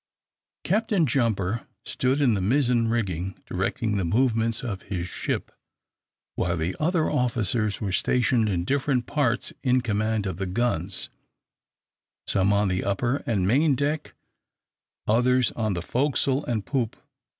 Captain Jumper stood in the mizen rigging directing the movements of his ship, while the other officers were stationed in different parts in command of the guns, some on the upper and main deck, others on the forecastle and poop.